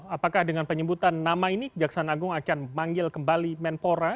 apakah dengan penyebutan nama ini kejaksaan agung akan memanggil kembali menpora